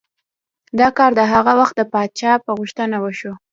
دا کار د هغه وخت د پادشاه په غوښتنه وشو.